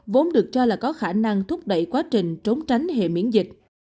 vốn được cho là có khả năng thúc đẩy quá trình trốn tránh hệ miễn dịch